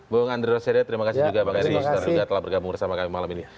bu andre rosario terima kasih juga bang erik nusantara juga telah bergabung bersama kami malam ini